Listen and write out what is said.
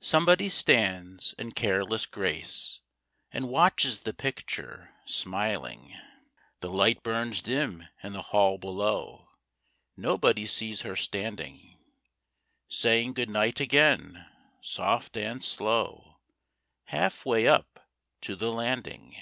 Somebody stands in careless grace, And watches the picture, smiling. The light burns dim in the hall below, Nobody sees her standing, Saying good night again, soft and slow, Half way up to the landing.